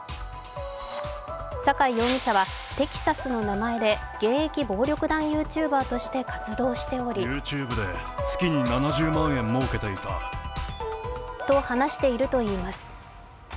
坂井容疑者は敵刺の名前で現役暴力団ＹｏｕＴｕｂｅｒとして活動しておりと話しているといいます。